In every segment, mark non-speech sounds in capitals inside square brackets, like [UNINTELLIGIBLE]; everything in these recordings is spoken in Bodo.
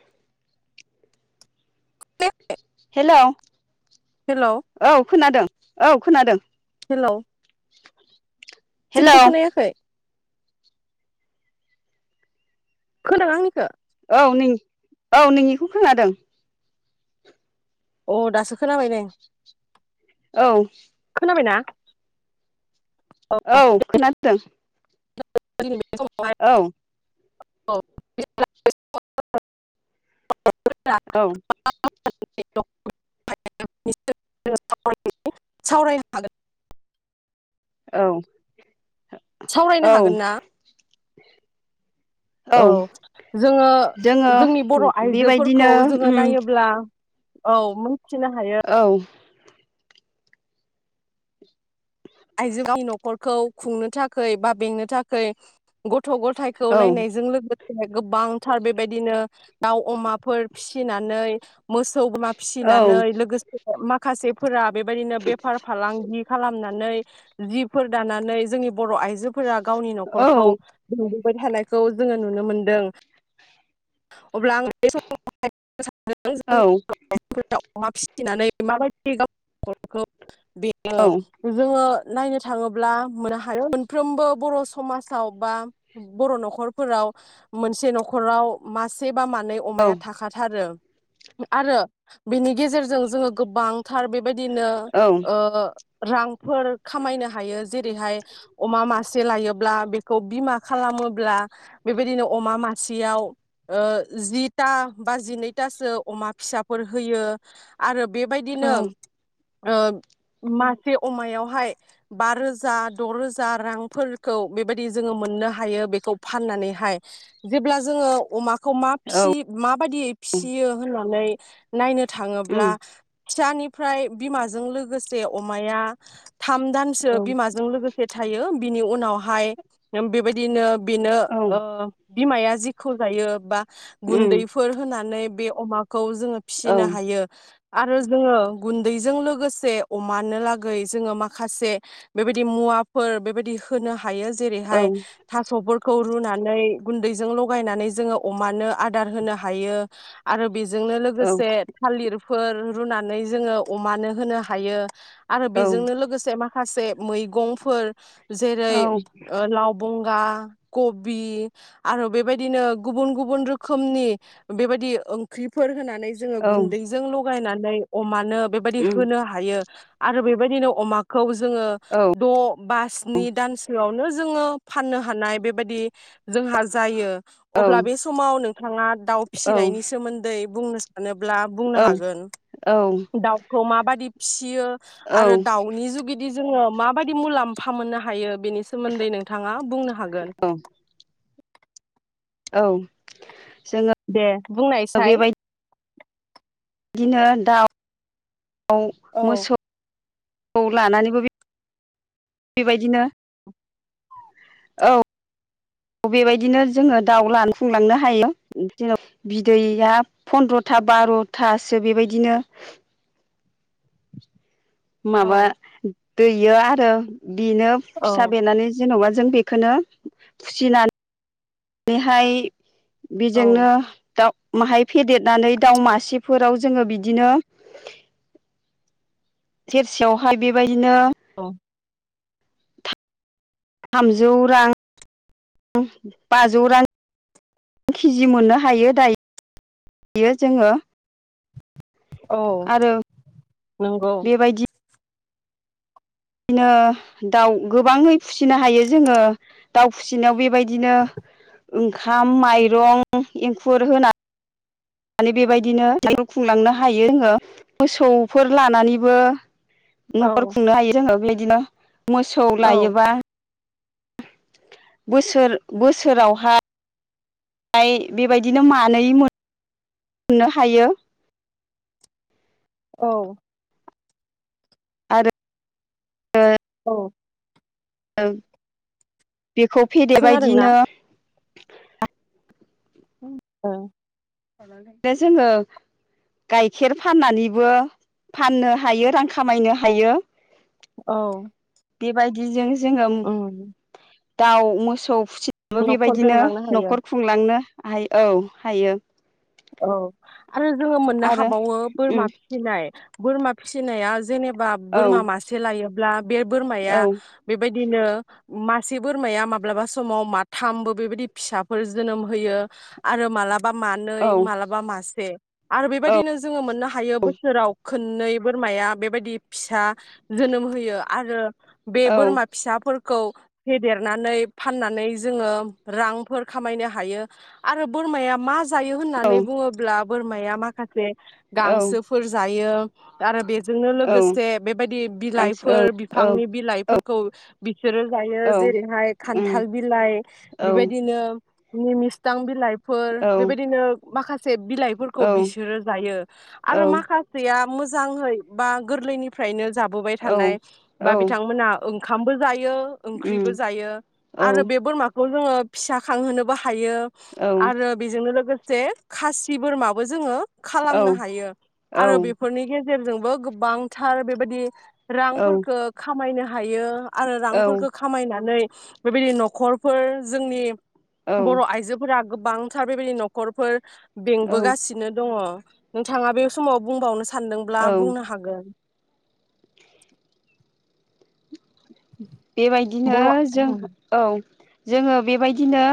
हेल' हेलौ औ खोनादों औ खोनादों हेलौ हेलौ जेबबो खोनायाखै खोना आंनिखो औ नों औ नोंनिखौ खोनादों अ दासो खोनाबाय दे। औ खोनाबायना? औ खोनादों। [UNINTELLIGIBLE] [UNINTELLIGIBLE] औ [UNINTELLIGIBLE] [UNINTELLIGIBLE] औ औ [UNINTELLIGIBLE] सावरायनो हागोन। औ सावरायनो औ हागोन ना औ जोङो जोङो जोंनि बर' आइजोफोरखौ बेबायदिनो जोङो उम नायोब्ला औ हानथिनो हायो। औ आइजोनि न'खरखौ खुंनो थाखै बा बेंनो थाखै गथ गथ' गथायखौ औ नायनायजों लोगो से गोबांथार बेबायदिनो दाउ अमाफोर फिसिनानै मोसौ बोरमा औ फिसिनानै लोगोसे माखासे फोरा बेबायदिनो बेफार फालांगि खालामनानै जिफोर दानानै जोंनि बर' आइजोफोरा गावनि औ न'खरखौ खांबोबाय थानायखौ जोङो नुनो मोनदों। अब्ला आं बे समाव औ [UNINTELLIGIBLE] दाउ अमा फिसिनानै माबायदि गावखौ बेयो औ जोङो। नायनो थाङोब्ला मोननो हायो मोनफ्रोमबो बर' समाजाव बा बर' न'खरफोराव मोनसे न'खराव मासे बा मानै अमाया थाखाथारो। आरो बेनि गेजेरजों जोङो गोबांथार बे बेबायदिनो औ ओ। रांफोर। खामायनो हायो जेरैहाय अमा मासे लायोब्ला बेखौ बिमा खालामोब्ला बेबायदिनो अमा मासेयाव जिथा बा जिनैथासो अमा फिसाफोर होयो आरो बेबायदिनो। ओ मासे अमायावहाय। बा रोजा द' रोजा रांफोरखौ बेबायदि जोङो मोननो हायो बेखौ फाननानैहाय जेब्ला जोङो अमा खौ मा औ फि माबायदियै फिसियो होननानै नायनो। उम थाङोब्ला। फिसानिफ्राय बिमाजों लोगोसे अमाया थाम औ दानसो बिमाजों लोगोसे थायो बिनि उनावहाय बेबायदिनो। बिनो औ ओ। बिमाया जेखौ जायो बा उम गुन्दैफोर होनानै बे अमा खौ जोङो औ फिसिनो हायो आरो जोङो गुन्दैजों लोगोसे अमानो लागै जोङो मा माखासे बेबायदि मुवाफोर बेबायदि होनो हेयो औ उम औ जेरैहाय थास'फोर खौ रुनानै गुन्दैजों लगायनानै जोङो अमानो आदार होनो हायो आरो बेजोंनो लोगोसे थालिरफोर रुनानै जोङो अमानो होनो हायो। आरो औ बेजोंनो लोगोसे। माखासे मैगंफोर। जेरै लाव ब बा खबि आरो बेबायदिनो गुबन गुबुन रोखोमनि बेबायदि ओंख्रिफोर होनानै नै जोंङो गुनदैजों लागायनानै अमानो बेबायदि होनो हायो आरो बेबायदिनो अमा खौ जो जोङो दबा स्नि दानसोआवनो जो जोङो फाननो हानाय बेबायदि जोंहा जायो। अब्ला बे समाव नों थाङा दाउ फिसिनायनि सोमोन्दै बुंनो सानो ब्ला बुंनो हागोन औ दाउखौ मा बायदि फिसियो आरो दाउनि जु बि जोङो माबायदि मुलाम्फा मोननो हायो। बेनि सोमोन्दै नोंथाङा बुंनो हागोन औ जोङो दे बुंनायसाय बिदिनो दाउ आव औ मोसौ औ लानानैबो बे बेबायदिनो औ बेबायदिनो जोङो दाउ लानफुंलांनो हायो जेन बिदैया फन्द्रथा बारथासो बेबायदिनो माबा औ दैयो आरो बेनो फिसा औ बेनानै जेनबा जों बेखौनो फुसिनानै बेैहाय बेजोंनो दाउ माहाय फेदेरनानै दाउ मासेफोराव जोङो बिदिनो सेरसेयावहाय बेबायदि बिदिनो औ थामजौ रां बाजौ रां केजि मोननो हायो दाय-यो जोङो औ आरो नंगौ बेबायदि बिदिनो दाउ गोबाङै फुसिनो हायो जोङो दाउ फुसिनायाव बेबायदिनो ओंखाम माइरं एंखुर होना माने बेबायदिनो जिउखौ खुंलांनो हायो जोङो मोसौफोर लानानैबो औ न'खर खुंनो हायो जोङो बे दिनो मोसौ औ लायोबा बोसोर बोसोरावहा हाय बेबायदिनो मानै मोन ननो हायो। औ [INAUDIBLE] औ ओं बेखौ फेदेबा खोनादोंना दिनो ओ नो जोङो गाइखेर फाननानैबो फाननो हायो रां खामायनो हायो। औ बेबायदिजों जोङो उम दाउ मोसौ खुसिजोंबो न'खर बेबायदिनो बेंलांनो हायो न'खर खुंलांनो हायो औ हायो। औ आरो जोङो मोननो आरो हाबावो उम बोरमा फिसिनाय। बोरमा फिसिनाया जेनेब बा औ बोरमा मासे लायो ला बे बोरमाया औ बेबायदि दिनो मासे बोरमाया माब्लाबा समाव माथामबो बेबायदि फिसाफोर जोनोम होयो आरो मालाब बा मानै औ मालाबा मासे। आरो बेबायदिनो जोङो मोननो हायो बोसोराव खो खोननै बोरमाया बेबायदि फिसा जोनोम होयो आरो बे औ बोरमा फिसाफोरख खौ फेदेरनानै फाननानै जोङो रांफोर खामायनो हायो आरो बोरमाया मा जाय नै बुङोब्ला बोरमाया माखासे औ गांसोफोर जायो आरो बे जोंनो औ लोगोसे बेबायदि गांसो बिलाइफोर औ बिफांनि बिलाइफोरखौ बिसोरो जायो औ जेरैहाय उम खान्थाल बिलाइ औ बेबायदिनो निम मिस्तां बिलाइ फोर औ बेबायदिनो माखासे से औ बिलाइफोरखौ उम बिसोरो जायो औ आरो माखासेया मोजाङै बा गोरलैनिफ्रायनो जाब बोबाय थानाय बा बिथांमोना ओंखामबो जाय यो ओंख्रिबो जायो आरो बे बोरमा बेखौ जोङो फिसा खांहोनोबो हा हायो आरो बेजोंनो लोगो से खासि बोरमाबो जोङो खालामनो हायो आरो बेफोरनि गेजे रजोंबो गोबांथार बेबायदि रांफोरखौ खामायनो हा हायो आरो रांफोरखौ खामायनानै बेबायदि न'खरफोर जोंनि बर' आयजोफोरा गोबांथा बेबायदि न' खफोर औ बेंबोगासिनो दङ नोंथाङा बे समाव बुंबावनो सा सानदोंब्ला औ बुंनो हागोन [INAUDIBLE] बेबायदिनो बर' औ जों औ जोङो बेबायदिनो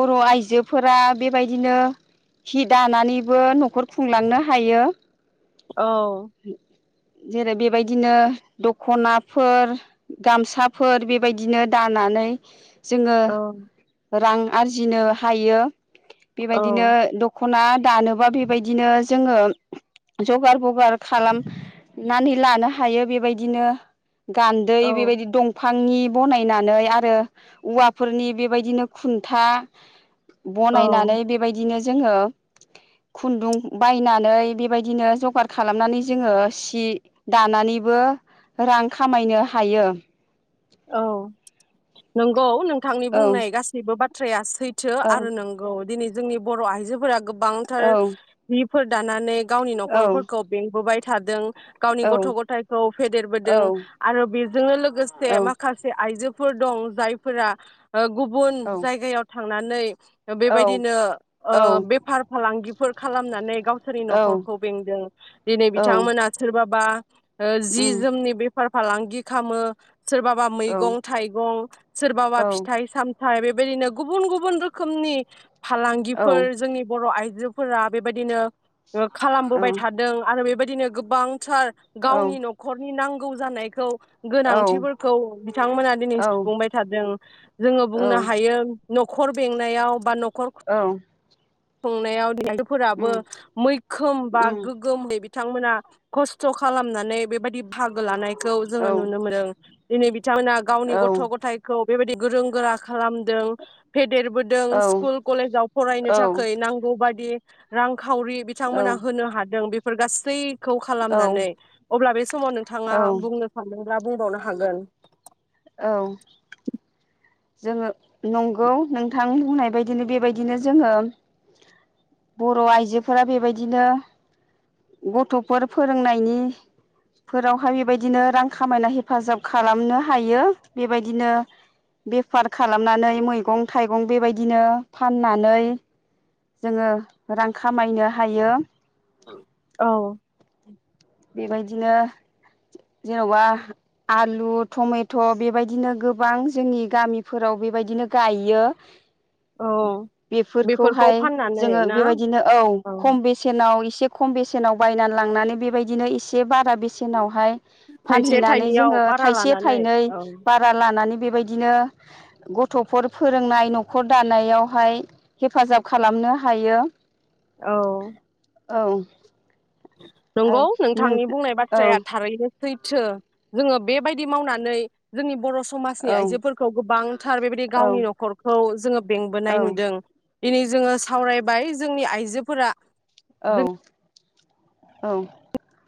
बर' आयजोफोरा बेबायदिनो हि दानानैबो न'खर खुंलांनो हायो औ जेरै बेबायदिनो दख'नाफोर गामसाफोर बेबायदिनो दानानै जोङो रां आरजिनो हायो औ बेबायदिनो दख दख'ना दानोबा बेबायदिनो जोङो जगार बगार खालाम। नानै लानो हायो बेबायदिनो। गान्दै बेबायदि दंफां। बिफांनि बनायनानै आरो औवाफोरनि बेबायदिनो खुन्था। औ बनायनानै बेबायदिनो। जोङो खुन्दुं बायनानै बेबायदिनो जगार खालामनानै जोङो। सि दानानैबो रां खामायनो हायो। औ नंगौ नोंथांनि औ बुंनाय गासैबो बाथ थ्रेयास। थैथो औ आरो नोंगौ दिनै। जोंनि बर' आइजोफोरा गो बांथार औ बि फोर दानानै। गावनि औ न'खरफोरखौ बेंबोबाय। थादों। गावनि औ गथ' गथायखौ औ फेदेरबोदों आरो बेजोंनो लोगोसे औ मा माखासे आइजोफोर दं जायफोरा गुबुन जायगायाव थ थांनानै। औ बेबायदिनो ओ औ बेफार फालांगिफोर खालामनानै गावसोरनि न'खरखौ बेंदों दिनै औ बिथांमोना सोरबा। बा जि उम जोमनि बे फार फालांगि खामो सोरबा। औ मैगं थाइगं सोरबाबा फिथाइ सामथ न बेबायदिनो गुबुन गुबुन रोखोमनि। फालांगिफोर औ जोंनि बर' आइजो। [UNINTELLIGIBLE] फोरा बेबायदिनो। खालामबोबाय थादों आरो बेबायदि। बिदिनो गोबां। थार औ औ गावनि न'खरनि नांगौ। गौ जानायखौ। गोनांथि औ बोर [UNINTELLIGIBLE] बिथांमोना दिनै औ सुफुंबाय थादों जोंङो बुंनो औ हायो। न'खर बेंनायाव बा न औ खुंनायाव [UNINTELLIGIBLE] फोराबो उम मैखोम बा उम गोगोम [UNINTELLIGIBLE] बिथांमोना खस्थ' खालामनानै बेबायदि बाहागो लानाय खौ औ जोंङो नुनो मोदों। दिनै बि थांमोना गावनि औ गथ' गथायखौ बेबायदि गोरों गोरा खालामदों फे देरबोदों औ स्कुल कलेजाव फरायनो थाखै नांगौ बादि‌ रां खावरि औ बिथांमोना होनो हादों बे फोर गासै खौ खालामनानै अब्ला बे समाव नोंथांङा औ बुंनो सानो ब्ला बुंबावनो हा हागोन औ जोंङो नंगौ नोंथां बुंनाय बायदिनो बेबायदिनो जोंङो बर' आइजोफोरा बेबायदिनो गथ'फोर फोरोंनायनि फोरावहाय बेबायदिनो रां खामायना हेफाजाब खालामनो हायो बेबायदिनो बेफार खालामनानै मैगं-थाइगं बेबायदिनो फाननानै जोंङो रां खामायनो हायो। औ बेबायदिनो जेन'बा आलु टमेट' बेबायदिनो गोबां जोंनि गामिफोराव बेबायदिनो गायो। औ बेफोरखौ बेफोरखौहाय फाननानै जोंङो ना बेबायदिनो औ खम बेसेनाव आव इसे खम बेसेनाव बायनानै लांनानै बेबायदिनो इसे बारा बेसेनावहाय थाइसे फानहैनानै थाइनैयाव जोंङो बारा थाइसे लानानै थाइनै औ बारा लानानै बेबायदिनो गथ'फोर फोरोंनाय न'खर दानायावहाय हेफाजाब खा खालामनो हायो । औ औ नंगौ आरो नों नोंथांनि बुंनाय औ बाथ्राया थारैनो सैथो जोंङो बेबायदि मावनानै जोंनि बर' समाजनि औ आइजोफोरखौ गोबांथार बेबायदि औ गावनि न'खरखौ जोंङो औ बेंबोनाय नुदों । दिनै जोंङो सावरायबाय जोंनि आइजोफोरा औ औ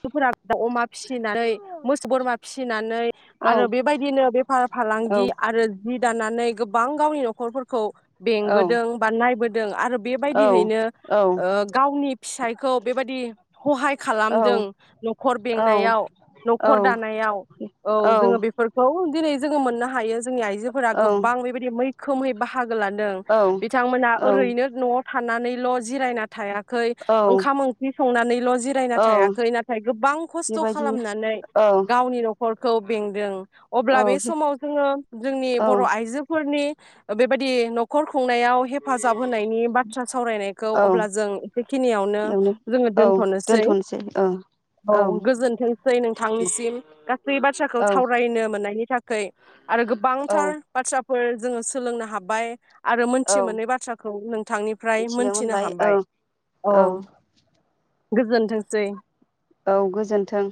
मफोरा अमा फिसिनानै मोसौ बोरमा फि नानै औ आरो बेबायदिनो बेफार फालांगि आरो जि दानानै गोबां गावनि नखरफोरखौ औ बेंबोदों बा नायबो जों आरो औ बेबायदिहैनो औ ओ गावनि फिसायखौ बेबायदि सहाय औ खालामदों। न'खर औ बेंनायाव औ न'खर दानायाव औ जोंङो बेफोरखौ दिनै जोङो मोननो हायो जोंनि आइजोफोरा औ गोबां बेबायदि मै खोमहै बाहा लोगो लादों बिथांमोना औ ओरैनो न' थानानैल' जिरायना थाया औ ओंखाम ओंख्रि संनानैल' जिरायना औ थायाखै नथाय नाथाय गोबां खस्थ' बेबायदिनो खालामनानै औ गावनि न'ख फोरखौ बेंदों अब्ला औ बे समाव जोंङो जोंनि औ बर' आइजोफोरनि बेबायदि न'खर खुंनायाव हेफाजाब होनायनि बाथ्रा सावरायनायखौ अब्ला जों एसेखिनियावनो बेयावनो जोङो औ दोनथ'नोसै। औ औ गोजोनथोंसै नोंथांनिसिम गासै बाथ्राखौ औ सावरायनो मोननायनि थाखै आरो गोबांथार औ बाथ्रा फोर जोङो सोलोंनो हाबाय आरो मोनथि औ मोनै बाथ्राखौ नोंथांनिफ्राय मिथिनो मोनथिनो मोनबाय औ हाबाय औ। गोजोनथोंसै। औ गोजोन्थों।